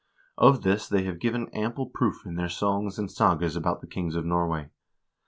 Of this they have given ample proof in their songs and sagas about the kings of Norway.